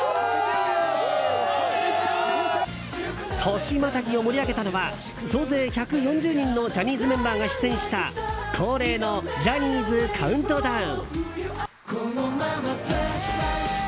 年またぎを盛り上げたのは総勢１４０人のジャニーズメンバーが出演した恒例の「ジャニーズカウントダウン」。